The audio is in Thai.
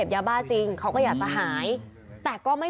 พ่อหยิบมีดมาขู่จะทำร้ายแม่